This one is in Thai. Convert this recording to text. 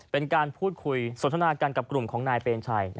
เป็นการพูดคุยสนทนากันกับกลุ่มของนายเปรมชัย